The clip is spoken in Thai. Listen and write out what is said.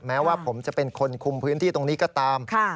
แม้ว่าผมจะเป็นคนคุมพื้นที่ตรงนี้ก็ตาม